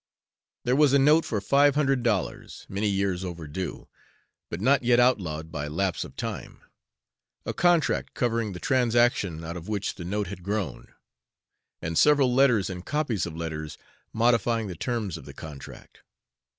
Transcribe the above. There was a note for five hundred dollars, many years overdue, but not yet outlawed by lapse of time; a contract covering the transaction out of which the note had grown; and several letters and copies of letters modifying the terms of the contract.